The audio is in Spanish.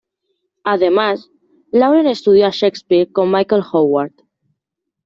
Además, Lauren estudió a Shakespeare con Michael Howard.